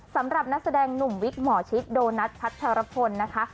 สำหรับนักแสดงหนุ่มวิกหมอชิตโดนัทพัชรพลนะคะ